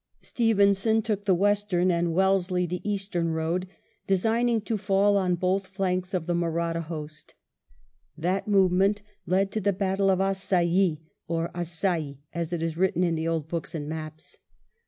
74 WELLINGTON chap. Stevenson took the western and Wellesley the eastern road, designing to fall on both flanks of the Mahratta host. That movement led to the battle of Assaye, or Assye as it is written in the old books and maps.